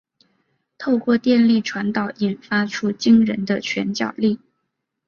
透过电力传导引发出惊人的拳脚力。